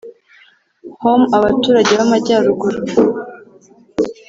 Homme Abaturage b amajyaruguru